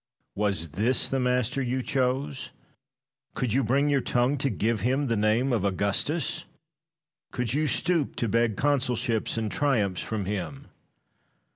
Was this the master you chose? Could you bring your tongue to give him the name of Augustus? Could you stoop to beg consulships and triumphs from him?